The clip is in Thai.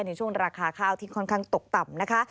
ในช่วงราคาข้าวที่ค่อนข้างตกต่ำนะคะ